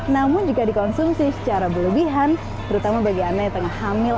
namun jika dikonsumsi secara berlebihan terutama bagi anda yang tengah hamil